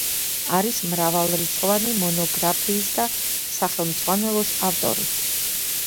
არის მრავალრიცხოვანი მონოგრაფიის და სახელმძღვანელოს ავტორი.